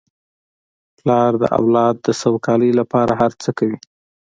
پلار د اولاد د سوکالۍ لپاره هر څه کوي.